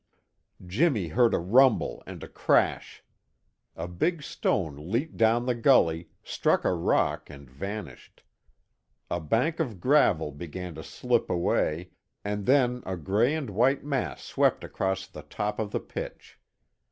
Jimmy heard a rumble and a crash. A big stone leaped down the gully, struck a rock and vanished. A bank of gravel began to slip away, and then a gray and white mass swept across the top of the pitch.